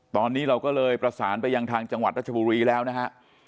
ตอนนี้เราก็เลยประสานไปยังทางจังหวัดรัชบุรีแล้วนะฮะ